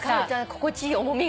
心地いい重みがね。